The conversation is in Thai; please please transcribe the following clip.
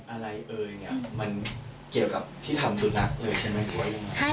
อะไรเอ่ยเนี่ยมันเกี่ยวกับที่ทำสุดนักเลยใช่ไหม